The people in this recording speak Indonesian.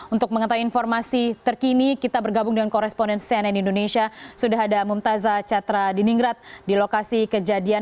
untuk mengetahui informasi terkini kita bergabung dengan koresponen cnn indonesia sudah ada mumtazah catra di ningrat di lokasi kejadian